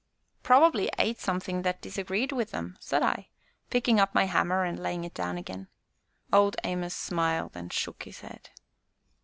"Probably ate something that disagreed with them," said I, picking up my hammer and laying it down again. Old Amos smiled and shook his head.